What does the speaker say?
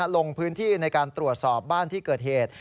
ลงพื้นที่ในการตรวจสอบบ้านที่เกิดเหตุ